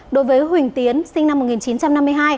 đối với huỳnh tiến sinh năm một nghìn chín trăm năm mươi hai